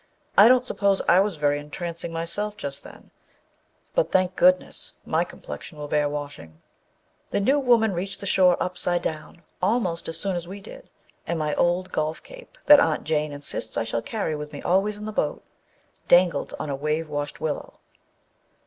I don't suppose I was very entrancing myself just then, but, thank goodness, my complexion will bear washing ! The New Woman reached the shore, upside down, almost as soon as we did, and my old golf cape, that Aunt Jane insists I shall carry with me always in the boat, dangled on a wave washed willow.